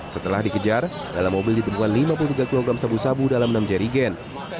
setelah dikejar dalam mobil ditemukan lima puluh tiga kg sabu sabu dalam enam jerry gen